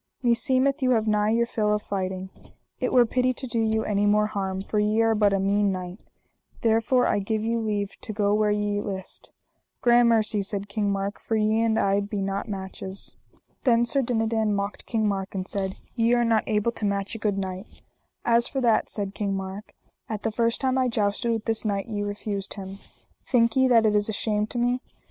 meseemeth you have nigh your fill of fighting, it were pity to do you any more harm, for ye are but a mean knight, therefore I give you leave to go where ye list. Gramercy, said King Mark, for ye and I be not matches. Then Sir Dinadan mocked King Mark and said: Ye are not able to match a good knight. As for that, said King Mark, at the first time I jousted with this knight ye refused him. Think ye that it is a shame to me?